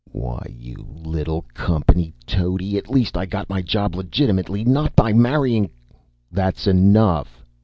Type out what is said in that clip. "Why, you little company toady! At least I got my job legitimately, not by marrying " "That's enough!"